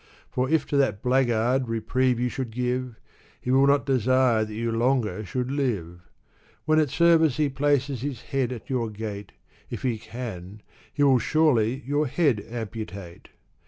For if to that blackguard reprieve you should give. He will not desire that you longer should live. When at service he places his head at your gate, If he can, he will surely your head amputate